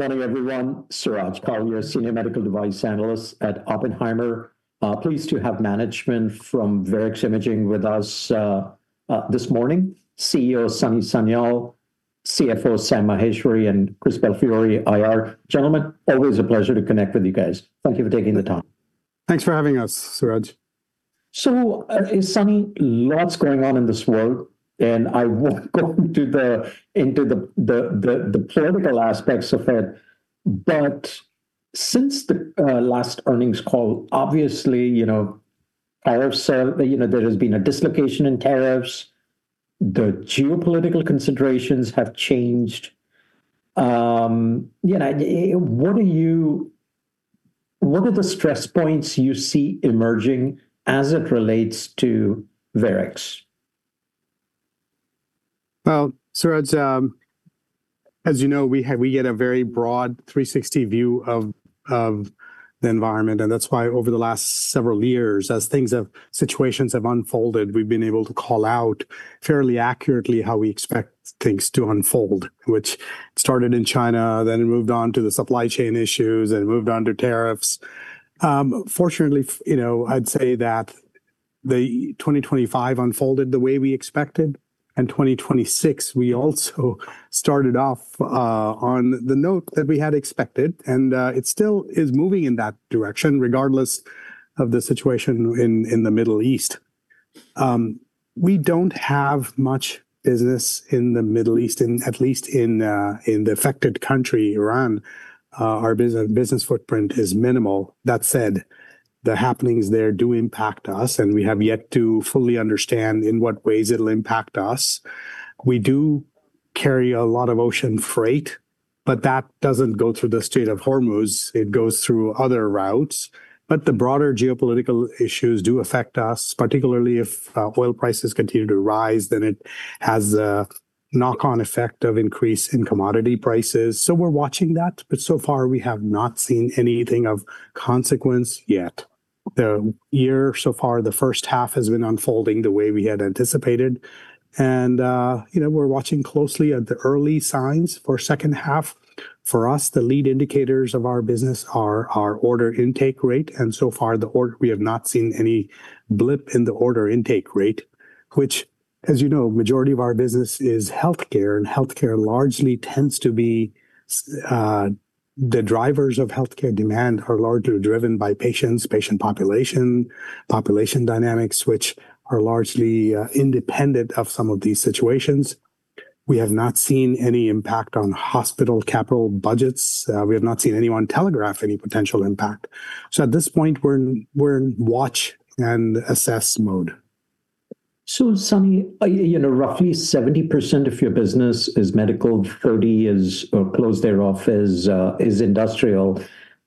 Morning, everyone. Suraj Kalia, your Senior Medical Device Analyst at Oppenheimer & Co. Inc. Pleased to have management from Varex Imaging with us this morning. CEO Sunny Sanyal, CFO Sam Maheshwari, and Chris Belfiore, IR. Gentlemen, always a pleasure to connect with you guys. Thank you for taking the time. Thanks for having us, Suraj. Sunny, lots going on in this world, and I won't go into the political aspects of it. Since the last earnings call, obviously, you know, tariffs, there has been a dislocation in tariffs. The geopolitical considerations have changed. You know, what are the stress points you see emerging as it relates to Varex? Well, Suraj, as you know, we get a very broad 360 view of the environment, and that's why over the last several years, as situations have unfolded, we've been able to call out fairly accurately how we expect things to unfold, which started in China, then it moved on to the supply chain issues and moved on to tariffs. Fortunately, you know, I'd say that 2025 unfolded the way we expected, and 2026, we also started off on the note that we had expected, and it still is moving in that direction, regardless of the situation in the Middle East. We don't have much business in the Middle East, at least in the affected country, Iran. Our business footprint is minimal. That said, the happenings there do impact us, and we have yet to fully understand in what ways it'll impact us. We do carry a lot of ocean freight, but that doesn't go through the Strait of Hormuz. It goes through other routes. The broader geopolitical issues do affect us, particularly if oil prices continue to rise, then it has a knock-on effect of increase in commodity prices. We're watching that. So far, we have not seen anything of consequence yet. The year so far, the first half has been unfolding the way we had anticipated. You know, we're watching closely at the early signs for second half. For us, the lead indicators of our business are our order intake rate, and so far, the ord... We have not seen any blip in the order intake rate, which, as you know, majority of our business is healthcare, and healthcare largely tends to be the drivers of healthcare demand are largely driven by patients, patient population dynamics, which are largely independent of some of these situations. We have not seen any impact on hospital capital budgets. We have not seen anyone telegraph any potential impact. At this point, we're in watch and assess mode. Sunny, you know, roughly 70% of your business is medical, 30% is, or close thereof, industrial.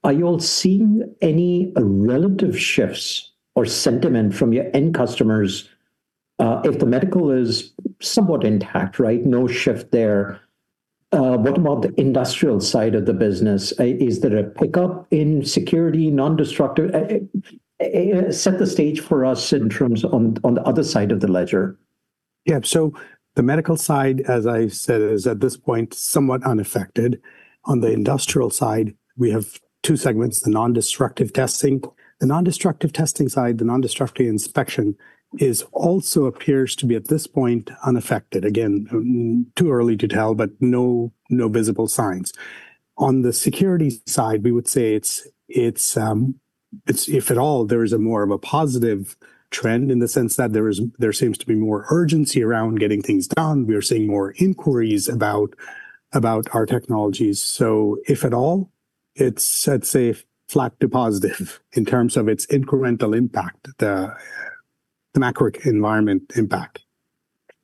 Are you all seeing any relative shifts or sentiment from your end customers? If the medical is somewhat intact, right? No shift there. What about the industrial side of the business? Is there a pickup in security, non-destructive? Set the stage for us in terms of the other side of the ledger. Yeah. The medical side, as I said, is at this point, somewhat unaffected. On the industrial side, we have two segments, the non-destructive testing. The non-destructive testing side, the non-destructive inspection, also appears to be, at this point, unaffected. Again, too early to tell, but no visible signs. On the security side, we would say it's, if at all, more of a positive trend in the sense that there seems to be more urgency around getting things done. We are seeing more inquiries about our technologies. If at all, it's safe, flat to positive in terms of its incremental impact, the macro environment impact.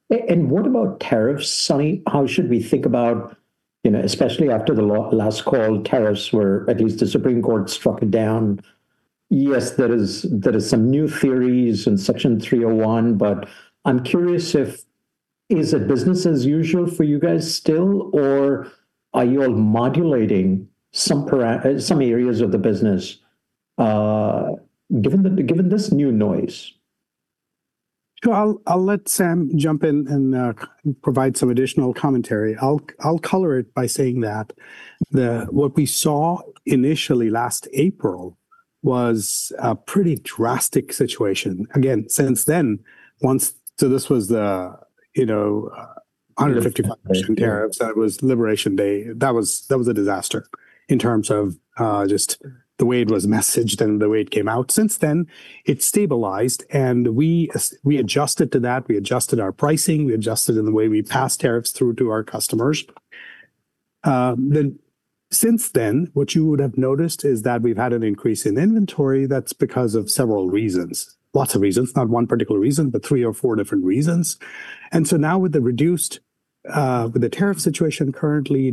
What about tariffs, Sunny? How should we think about, you know, especially after the last call, tariffs were at least the Supreme Court struck it down. There is some new theories in Section 301, but I'm curious if, is it business as usual for you guys still, or are you all modulating some areas of the business, given this new noise? Sure. I'll let Sam jump in and provide some additional commentary. I'll color it by saying that what we saw initially last April was a pretty drastic situation. Yeah 155% tariffs. That was Liberation Day. That was a disaster in terms of just the way it was messaged and the way it came out. Since then, it stabilized, and we adjusted to that. We adjusted our pricing, we adjusted in the way we pass tariffs through to our customers. Since then, what you would have noticed is that we've had an increase in inventory. That's because of several reasons. Lots of reasons. Not one particular reason, but three or four different reasons. Now with the tariff situation currently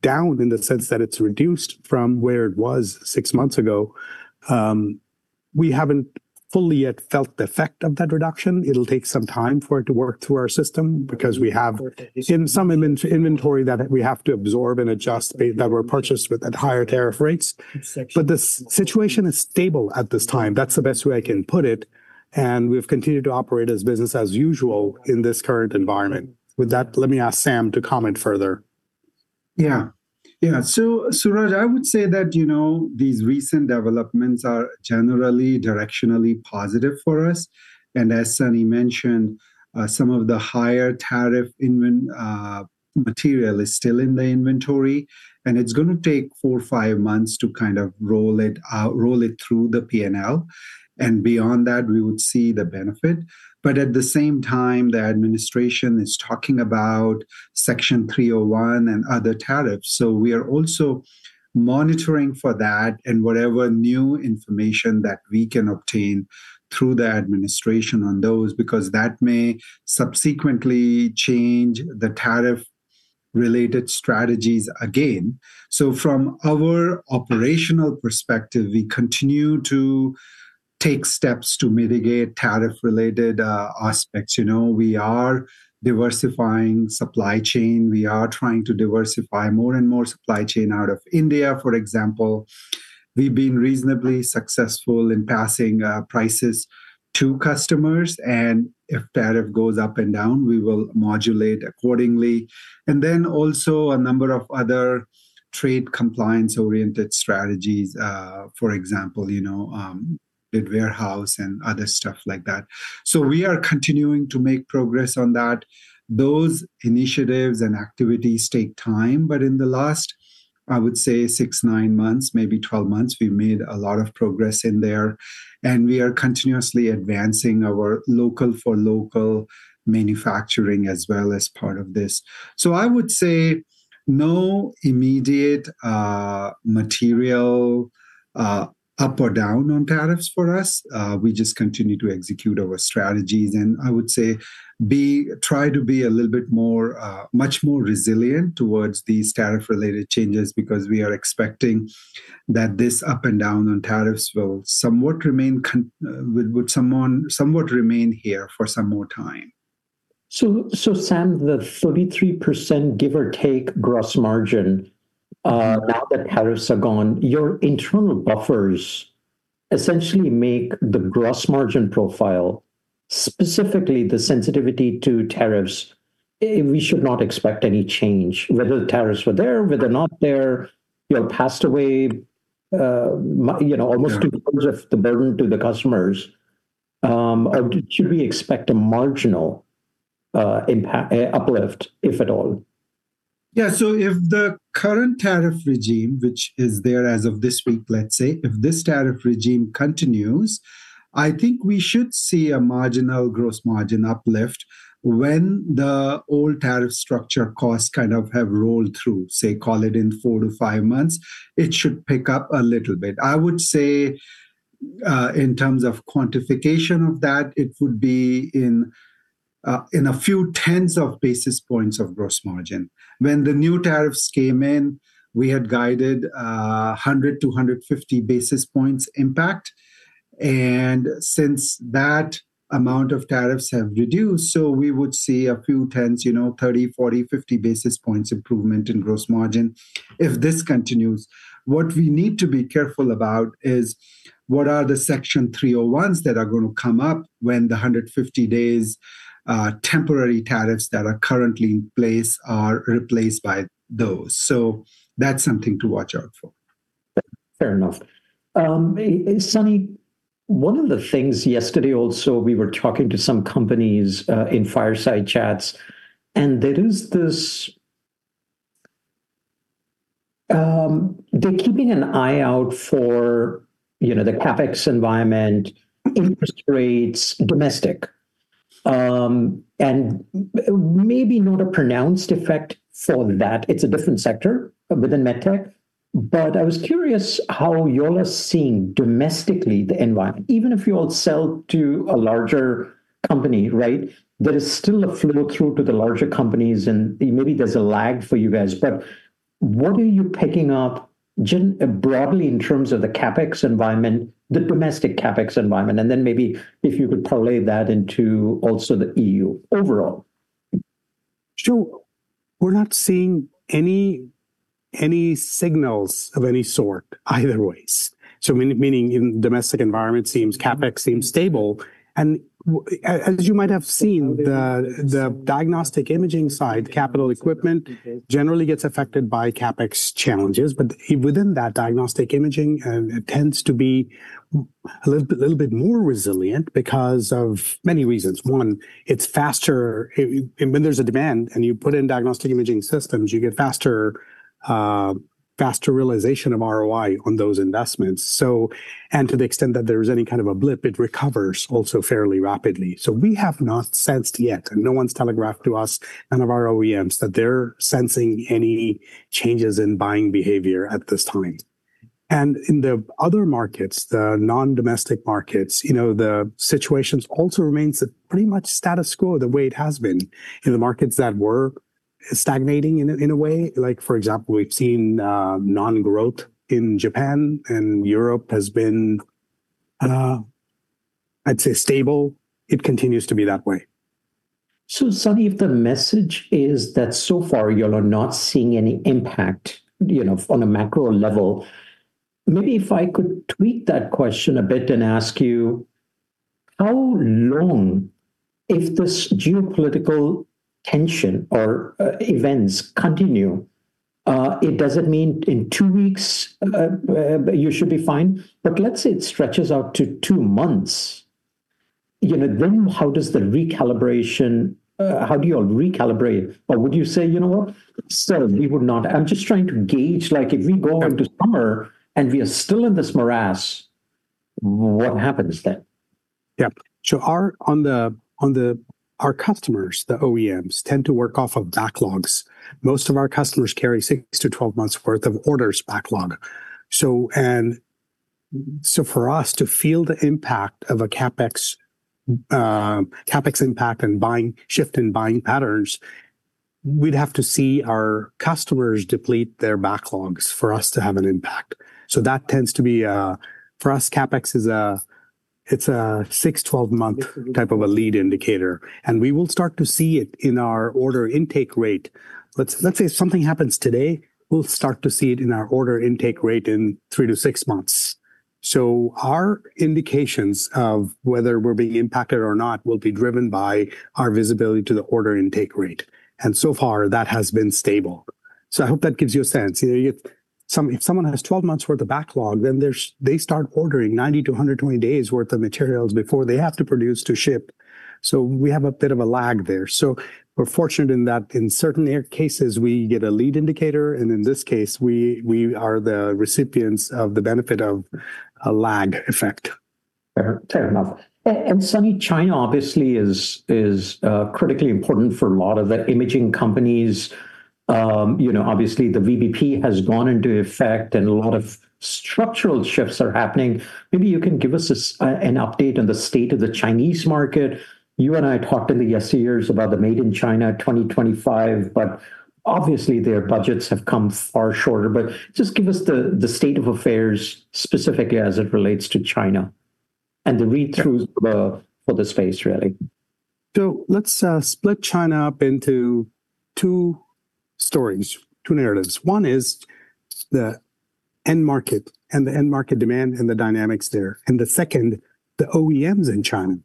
down in the sense that it's reduced from where it was six months ago, we haven't fully yet felt the effect of that reduction. It'll take some time for it to work through our system because we have some inventory that we have to absorb and adjust, that were purchased at higher tariff rates. The situation is stable at this time. That's the best way I can put it, and we've continued to operate business as usual in this current environment. With that, let me ask Sam to comment further. Suraj, I would say that, you know, these recent developments are generally directionally positive for us. As Sunny mentioned, some of the higher tariff material is still in the inventory, and it's gonna take four, five months to kind of roll it out, roll it through the P&L. Beyond that we would see the benefit. At the same time, the administration is talking about Section 301 and other tariffs. We are also monitoring for that and whatever new information that we can obtain through the administration on those, because that may subsequently change the tariff-related strategies again. From our operational perspective, we continue to take steps to mitigate tariff-related aspects. You know, we are diversifying supply chain, we are trying to diversify more and more supply chain out of India, for example. We've been reasonably successful in passing prices to customers, and if tariff goes up and down, we will modulate accordingly. Then also a number of other trade compliance-oriented strategies, for example, you know, with warehouse and other stuff like that. We are continuing to make progress on that. Those initiatives and activities take time, but in the last, I would say six, nine months, maybe 12 months, we've made a lot of progress in there, and we are continuously advancing our local-for-local manufacturing as well as part of this. I would say no immediate material up or down on tariffs for us. We just continue to execute our strategies and I would say try to be a little bit more much more resilient towards these tariff-related changes because we are expecting that this up and down on tariffs will somewhat remain here for some more time. Sam, the 33%, give or take, gross margin, now that tariffs are gone, your internal buffers essentially make the gross margin profile, specifically the sensitivity to tariffs, we should not expect any change, whether the tariffs were there, whether or not they're, you know, passed away, you know. Yeah almost in terms of the burden to the customers, or should we expect a marginal uplift, if at all? Yeah. If the current tariff regime, which is there as of this week, let's say, if this tariff regime continues, I think we should see a marginal gross margin uplift when the old tariff structure costs kind of have rolled through, say, call it in four to five months, it should pick up a little bit. I would say, in terms of quantification of that, it would be in a few tens of basis points of gross margin. When the new tariffs came in, we had guided 100-150 basis points impact. Since that amount of tariffs have reduced, we would see a few tens, you know, 30, 40, 50 basis points improvement in gross margin if this continues. What we need to be careful about is what are the Section 301s that are gonna come up when the 150 days temporary tariffs that are currently in place are replaced by those. That's something to watch out for. Fair enough. Sunny, one of the things yesterday also we were talking to some companies in fireside chats, and there is this they're keeping an eye out for, you know, the CapEx environment, interest rates, domestic. Maybe not a pronounced effect for that. It's a different sector within MedTech. I was curious how you all are seeing domestically the environment, even if you all sell to a larger company, right? There is still a flow-through to the larger companies, and maybe there's a lag for you guys. What are you picking up broadly in terms of the CapEx environment, the domestic CapEx environment? Then maybe if you could parlay that into also the E.U. overall. Sure. We're not seeing any signals of any sort either way. Meaning in domestic environment CapEx seems stable. As you might have seen, the diagnostic imaging side, capital equipment generally gets affected by CapEx challenges. Within that diagnostic imaging, it tends to be a little bit more resilient because of many reasons. One, it's faster. When there's a demand and you put in diagnostic imaging systems, you get faster realization of ROI on those investments. And to the extent that there is any kind of a blip, it recovers also fairly rapidly. We have not sensed yet, and no one's telegraphed to us, none of our OEMs, that they're sensing any changes in buying behavior at this time. In the other markets, the non-domestic markets, you know, the situations also remains pretty much status quo the way it has been in the markets that were stagnating in a way. Like, for example, we've seen no growth in Japan and Europe has been, I'd say stable. It continues to be that way. Sunny, if the message is that so far you all are not seeing any impact, you know, on a macro level, maybe if I could tweak that question a bit and ask you how long if this geopolitical tension or events continue, it doesn't mean in two weeks, you should be fine, but let's say it stretches out to two months, you know, then how does the recalibration, how do you all recalibrate? Or would you say, you know what? Still, we would not. I'm just trying to gauge, like, if we go into summer and we are still in this morass, what happens then? Our customers, the OEMs, tend to work off of backlogs. Most of our customers carry six to 12 months worth of orders backlog. For us to feel the impact of a CapEx impact and shift in buying patterns, we'd have to see our customers deplete their backlogs for us to have an impact. That tends to be, for us, CapEx is a six to 12 month type of a lead indicator, and we will start to see it in our order intake rate. Let's say if something happens today, we'll start to see it in our order intake rate in three to six months. Our indications of whether we're being impacted or not will be driven by our visibility to the order intake rate, and so far that has been stable. I hope that gives you a sense. You know, if someone has 12 months' worth of backlog, then they start ordering 90-120 days' worth of materials before they have to produce to ship. We're fortunate in that in certain cases we get a lead indicator, and in this case, we are the recipients of the benefit of a lag effect. Fair enough. Sunny, China obviously is critically important for a lot of the imaging companies. You know, obviously the VBP has gone into effect and a lot of structural shifts are happening. Maybe you can give us an update on the state of the Chinese market. You and I talked in the yesteryears about the Made in China 2025, but obviously their budgets have come far short. Just give us the state of affairs specifically as it relates to China and the read-throughs for the space, really. Let's split China up into two stories, two narratives. One is the end market and the end market demand and the dynamics there. The second, the OEMs in China,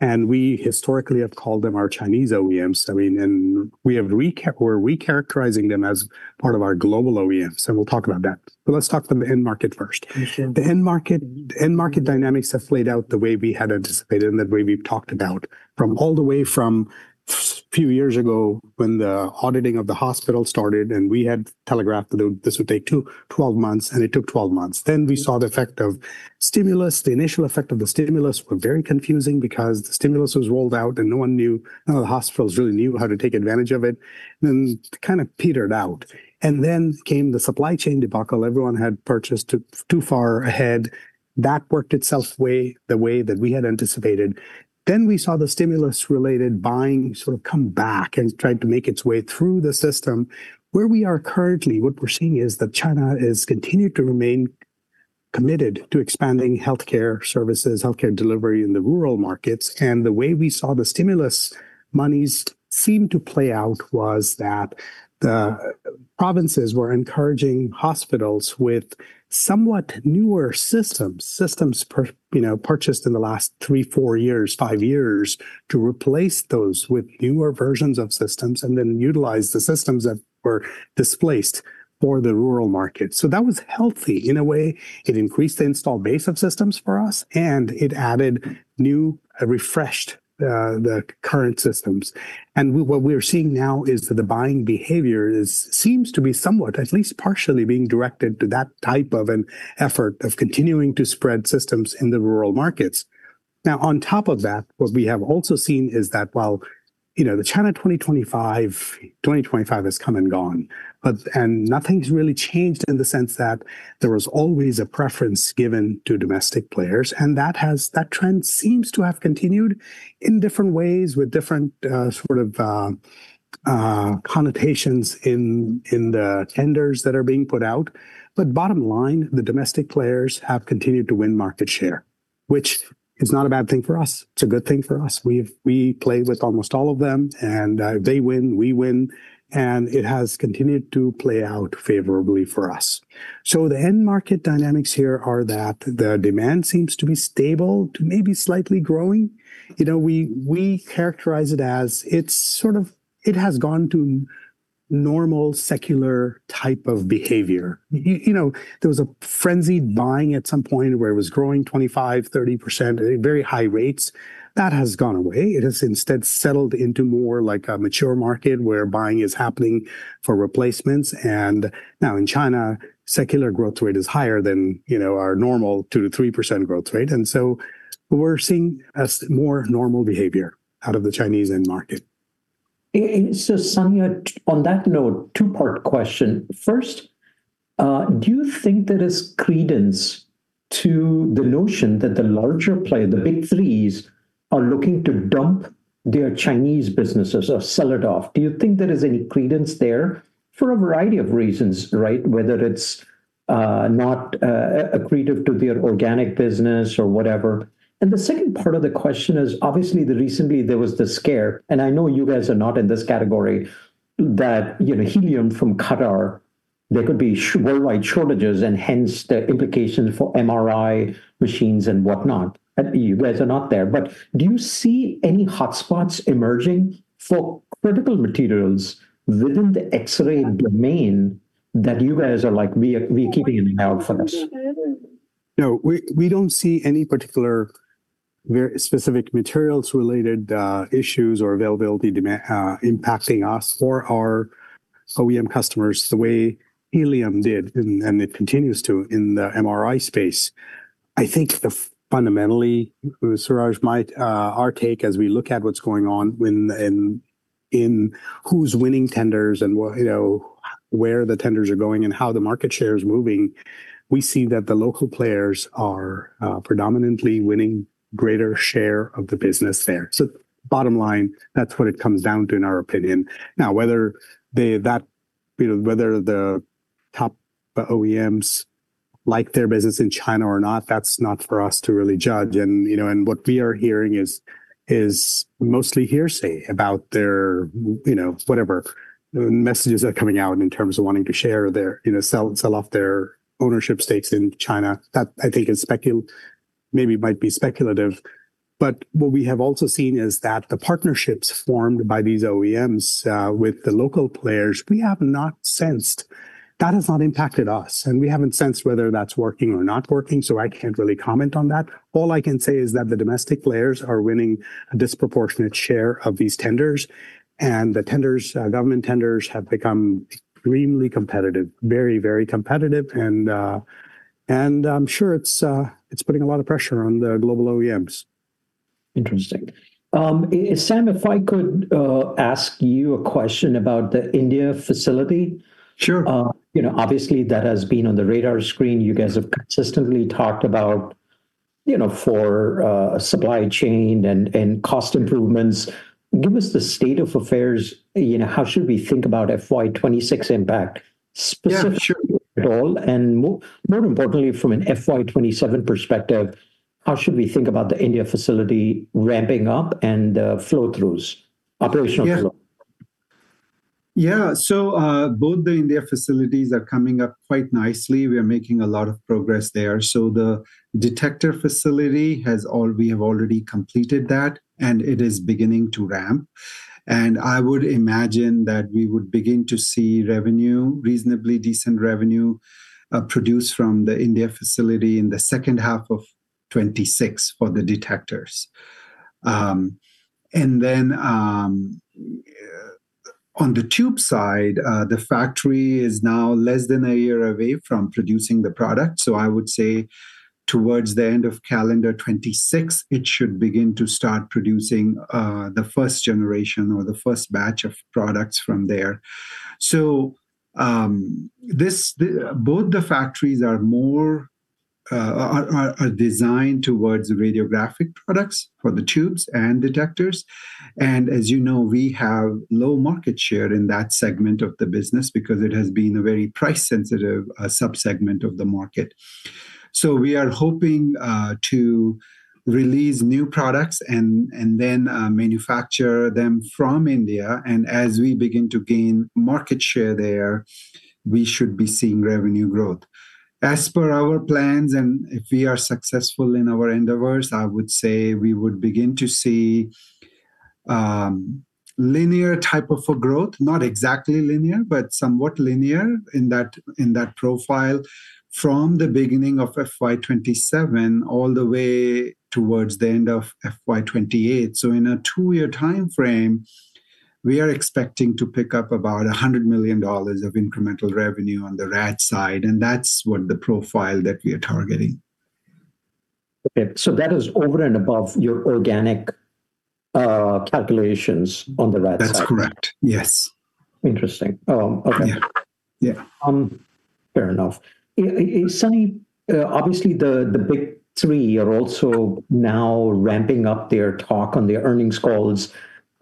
and we historically have called them our Chinese OEMs. I mean, and we're recharacterizing them as part of our global OEMs, and we'll talk about that. Let's talk the end market first. Sure. The end market dynamics have played out the way we had anticipated and the way we've talked about from all the way from a few years ago when the auditing of the hospital started and we had telegraphed that this would take two to 12 months, and it took 12 months. We saw the effect of stimulus. The initial effect of the stimulus were very confusing because the stimulus was rolled out and no one knew, none of the hospitals really knew how to take advantage of it, and then it kind of petered out. The supply chain debacle came. Everyone had purchased too far ahead. That worked itself out, the way that we had anticipated. We saw the stimulus-related buying sort of come back and tried to make its way through the system. Where we are currently, what we're seeing is that China has continued to remain committed to expanding healthcare services, healthcare delivery in the rural markets. The way we saw the stimulus monies seem to play out was that the provinces were encouraging hospitals with somewhat newer systems purchased in the last three, four years, five years, to replace those with newer versions of systems and then utilize the systems that were displaced for the rural market. That was healthy in a way. It increased the installed base of systems for us, and it added new, refreshed the current systems. What we're seeing now is that the buying behavior is, seems to be somewhat, at least partially being directed to that type of an effort of continuing to spread systems in the rural markets. Now on top of that, what we have also seen is that while you know the Made in China 2025 has come and gone and nothing's really changed in the sense that there was always a preference given to domestic players and that trend seems to have continued in different ways with different sort of connotations in the tenders that are being put out. Bottom line, the domestic players have continued to win market share, which is not a bad thing for us. It's a good thing for us. We play with almost all of them, and they win, we win, and it has continued to play out favorably for us. The end market dynamics here are that the demand seems to be stable to maybe slightly growing. You know, we characterize it as it's sort of, it has gone to normal secular type of behavior. You know, there was a frenzied buying at some point where it was growing 25%-30% at very high rates. That has gone away. It has instead settled into more like a mature market where buying is happening for replacements. Now in China, secular growth rate is higher than, you know, our normal 2%-3% growth rate. We're seeing a more normal behavior out of the Chinese end market. Sunny, on that note, two-part question. First, do you think there is credence to the notion that the larger player, the Big Three, are looking to dump their Chinese businesses or sell it off? Do you think there is any credence there for a variety of reasons, right? Whether it's not accretive to their organic business or whatever. The second part of the question is obviously that recently there was the scare, and I know you guys are not in this category, that, you know, helium from Qatar. There could be shortages worldwide and hence the implication for MRI machines and whatnot, and you guys are not there. But do you see any hotspots emerging for critical materials within the X-ray domain that you guys are like, we're keeping an eye out for this? No. We don't see any particular very specific materials-related issues or availability impacting us or our OEM customers the way Helium did and it continues to in the MRI space. I think fundamentally, Suraj, our take as we look at what's going on, and who's winning tenders and what, you know, where the tenders are going and how the market share is moving, we see that the local players are predominantly winning greater share of the business there. Bottom line, that's what it comes down to, in our opinion. Now, whether the top OEMs like their business in China or not, that's not for us to really judge. You know, what we are hearing is mostly hearsay about their, you know, whatever messages are coming out in terms of wanting to share their, you know, sell off their ownership stakes in China. That, I think, is maybe might be speculative. What we have also seen is that the partnerships formed by these OEMs with the local players, we have not sensed. That has not impacted us, and we haven't sensed whether that's working or not working, so I can't really comment on that. All I can say is that the domestic players are winning a disproportionate share of these tenders, and the tenders, government tenders have become extremely competitive, very, very competitive. I'm sure it's putting a lot of pressure on the global OEMs. Interesting. Sam, if I could ask you a question about the India facility. Sure. You know, obviously, that has been on the radar screen. You guys have consistently talked about, you know, for supply chain and cost improvements. Give us the state of affairs. You know, how should we think about FY 2026 impact? Yeah, sure. Specifically at all, and more importantly, from an FY 2027 perspective, how should we think about the India facility ramping up and flow throughs, operational flow? Both the India facilities are coming up quite nicely. We are making a lot of progress there. The detector facility, we have already completed that, and it is beginning to ramp. I would imagine that we would begin to see revenue, reasonably decent revenue, produced from the India facility in the second half of 2026 for the detectors. Then, on the tube side, the factory is now less than a year away from producing the product. I would say towards the end of calendar 2026, it should begin to start producing the first generation or the first batch of products from there. Both the factories are more designed towards radiographic products for the tubes and detectors. As you know, we have low market share in that segment of the business because it has been a very price-sensitive subsegment of the market. We are hoping to release new products and then manufacture them from India. As we begin to gain market share there, we should be seeing revenue growth. As per our plans, and if we are successful in our endeavors, I would say we would begin to see linear type of a growth, not exactly linear, but somewhat linear in that profile from the beginning of FY 2027 all the way towards the end of FY 2028. In a two-year timeframe, we are expecting to pick up about $100 million of incremental revenue on the RAD side, and that's what the profile that we are targeting. Okay. That is over and above your organic calculations on the RAD side. That's correct. Yes. Interesting. Okay. Yeah. Yeah. Fair enough. Sunny, obviously the Big Three are also now ramping up their talk on their earnings calls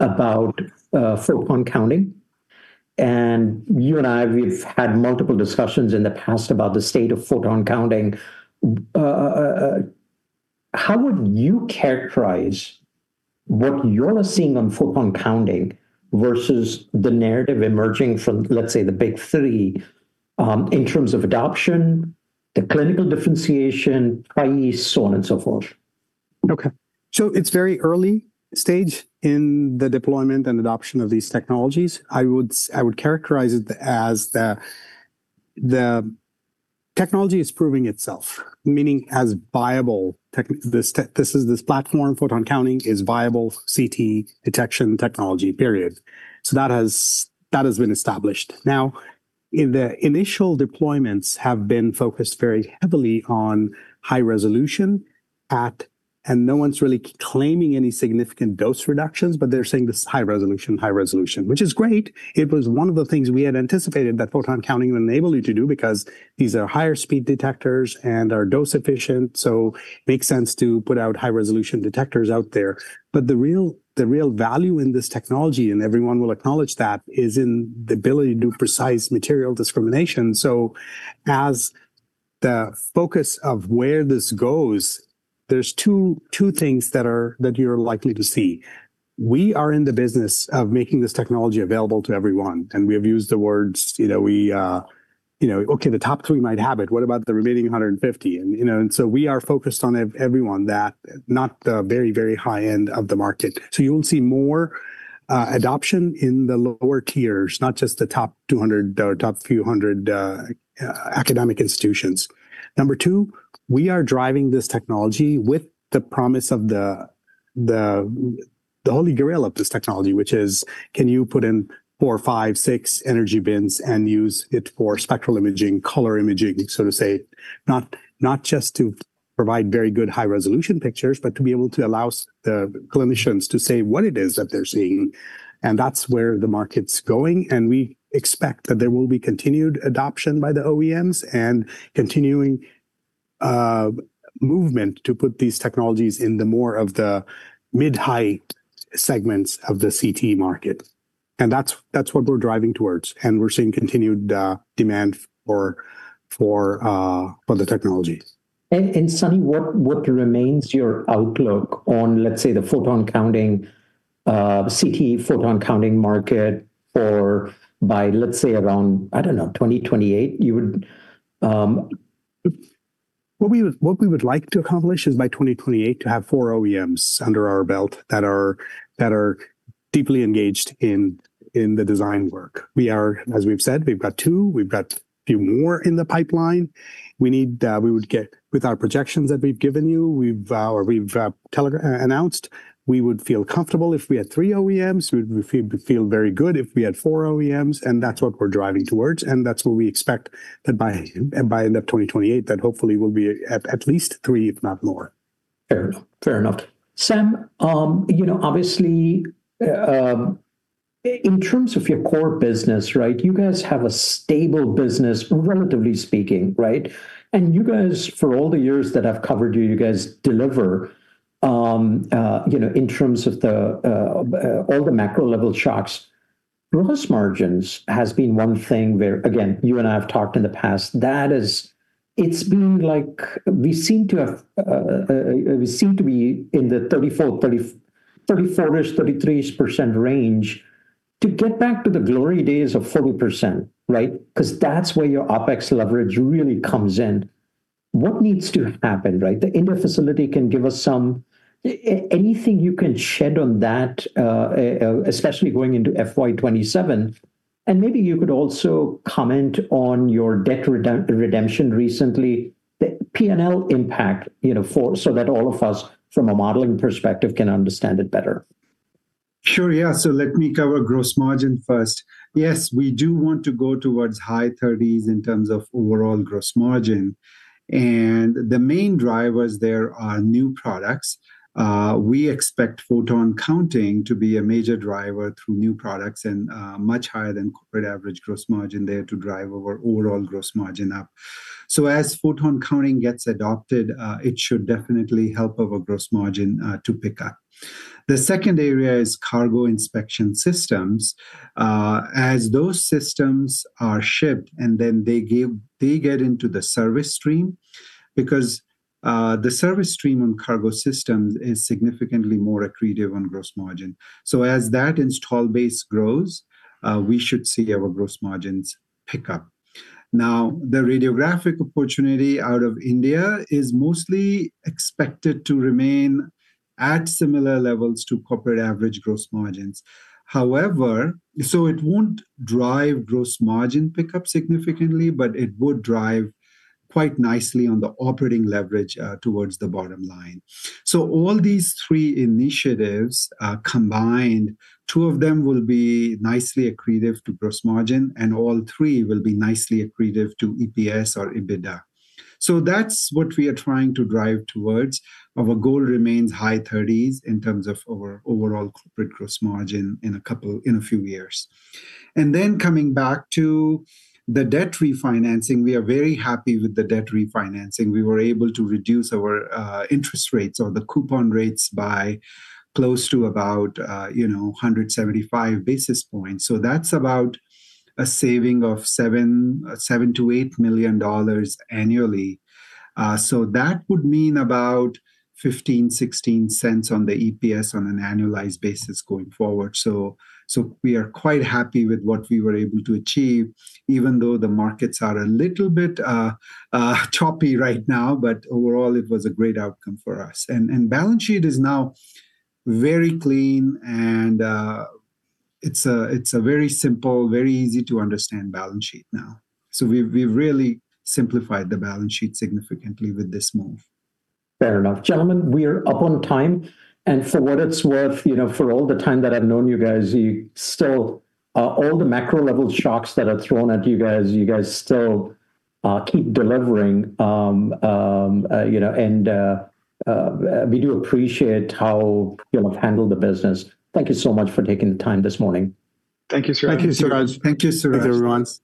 about photon counting. You and I, we've had multiple discussions in the past about the state of photon counting. How would you characterize what you're seeing on photon counting versus the narrative emerging from, let's say, the Big Three, in terms of adoption, the clinical differentiation, i.e., so on and so forth? Okay. It's very early stage in the deployment and adoption of these technologies. I would characterize it as the technology is proving itself, meaning as viable technology, this platform, photon counting, is viable CT detection technology, period. That has been established. Now, in the initial deployments have been focused very heavily on high resolution. No one's really claiming any significant dose reductions, but they're saying this is high resolution, which is great. It was one of the things we had anticipated that photon counting would enable you to do because these are higher speed detectors and are dose efficient, so makes sense to put out high resolution detectors out there. The real value in this technology, and everyone will acknowledge that, is in the ability to do precise material discrimination. The focus of where this goes, there's two things that you're likely to see. We are in the business of making this technology available to everyone, and we have used the words, you know, we, you know. Okay, the top three might have it. What about the remaining 150? You know, we are focused on everyone that, not the very high end of the market. You will see more adoption in the lower tiers, not just the top 200 or top few hundred academic institutions. Number two, we are driving this technology with the promise of the holy grail of this technology, which is can you put in four, five, six energy bins and use it for spectral imaging, color imaging, so to say, not just to provide very good high resolution pictures, but to be able to allow clinicians to say what it is that they're seeing, and that's where the market's going. We expect that there will be continued adoption by the OEMs and continuing movement to put these technologies into more of the mid-high segments of the CT market. That's what we're driving towards, and we're seeing continued demand for the technology. Sunny, what remains your outlook on, let's say, the photon counting CT photon-counting market for by, let's say, around, I don't know, 2028? You would What we would like to accomplish is by 2028 to have four OEMs under our belt that are deeply engaged in the design work. As we've said, we've got two. We've got a few more in the pipeline. With our projections that we've given you, we've telegraphed, we would feel comfortable if we had three OEMs. We'd feel very good if we had four OEMs, and that's what we're driving towards, and that's what we expect that by end of 2028, that hopefully we'll be at least three, if not more. Fair enough. Sam, you know, obviously, in terms of your core business, right? You guys have a stable business, relatively speaking, right? You guys, for all the years that I've covered you guys deliver, you know, in terms of the, all the macro level shocks. Gross margins has been one thing where, again, you and I have talked in the past, that is. It's been like we seem to have, we seem to be in the 34%, 30%, 34ish%, 33ish% range. To get back to the glory days of 40%, right? Because that's where your OpEx leverage really comes in. What needs to happen, right? The India facility can give us some. Anything you can shed on that, especially going into FY 2027. Maybe you could also comment on your debt redemption recently, the P&L impact, you know, so that all of us from a modeling perspective can understand it better. Sure. Yeah. Let me cover gross margin first. Yes, we do want to go towards high 30s% in terms of overall gross margin. The main drivers there are new products. We expect photon counting to be a major driver through new products and much higher than corporate average gross margin there to drive our overall gross margin up. As photon counting gets adopted, it should definitely help our gross margin to pick up. The second area is cargo inspection systems. As those systems are shipped and then they get into the service stream, because the service stream on cargo systems is significantly more accretive on gross margin. As that install base grows, we should see our gross margins pick up. Now, the radiographic opportunity out of India is mostly expected to remain at similar levels to corporate average gross margins. So it won't drive gross margin pickup significantly, but it would drive quite nicely on the operating leverage towards the bottom line. So all these three initiatives combined, two of them will be nicely accretive to gross margin, and all three will be nicely accretive to EPS or EBITDA. So that's what we are trying to drive towards. Our goal remains high thirties in terms of our overall corporate gross margin in a few years. Then coming back to the debt refinancing. We are very happy with the debt refinancing. We were able to reduce our interest rates or the coupon rates by close to about, you know, 175 basis points. That's about a saving of $7 million-$8 million annually. That would mean about $0.15-$0.16 on the EPS on an annualized basis going forward. We are quite happy with what we were able to achieve, even though the markets are a little bit choppy right now. Overall, it was a great outcome for us. Balance sheet is now very clean and it's a very simple, very easy to understand balance sheet now. We've really simplified the balance sheet significantly with this move. Fair enough. Gentlemen, we are up on time. For what it's worth, you know, for all the time that I've known you guys, all the macro level shocks that are thrown at you guys, you guys still keep delivering. You know, we do appreciate how you have handled the business. Thank you so much for taking the time this morning. Thank you, Suraj. Thank you, Suraj. Thank you, Suraj. Thanks, everyone.